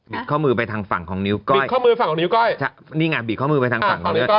บิดข้อมือไปทางฝั่งของนิ้วก้อยนี่ไงบิดข้อมือไปทางฝั่งของนิ้วก้อย